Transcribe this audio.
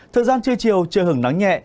thời gian trưa chiều trưa hưởng nắng nhẹ